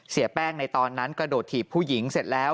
เสียแป้งในตอนนั้นกระโดดถีบผู้หญิงเสร็จแล้ว